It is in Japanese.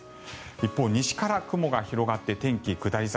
一方、西から雲が広がって天気下り坂。